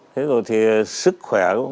thế rồi thì sức khỏe